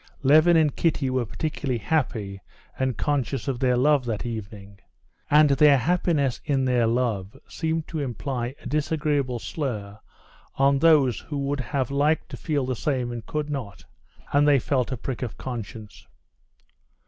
Levin and Kitty were particularly happy and conscious of their love that evening. And their happiness in their love seemed to imply a disagreeable slur on those who would have liked to feel the same and could not—and they felt a prick of conscience.